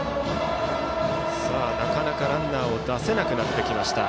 なかなかランナーを出せなくなってきました。